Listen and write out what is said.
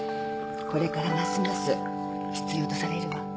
これからますます必要とされるわ。